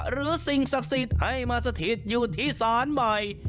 สิ่งศักดิ์สิทธิ์ให้มาสถิตอยู่ที่ศาลใหม่